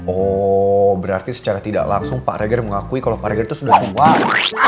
oh berarti secara tidak langsung pak reger mengakui kalau pak riger itu sudah keluar